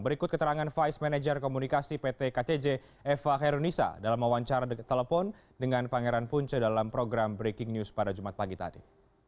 berikut keterangan vice manager komunikasi pt kcj eva hairunisa dalam wawancara telepon dengan pangeran punce dalam program breaking news pada jumat pagi tadi